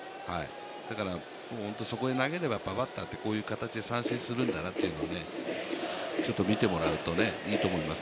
だから本当にそこに投げればバッターってこういう形で三振するんだなというところを見てもらえればいいと思います。